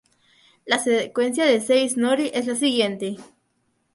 La secuencia de seis nori es la siguiente.